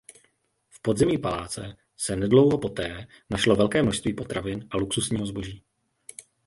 V podzemí paláce se nedlouho poté našlo velké množství potravin a luxusního zboží.